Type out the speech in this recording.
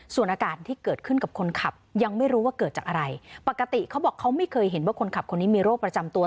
ส่วนอาการที่เกิดขึ้นกับคนขับยังไม่รู้ว่าเกิดจากอะไรปกติเขาบอกเขาไม่เคยเห็นว่าคนขับคนนี้มีโรคประจำตัว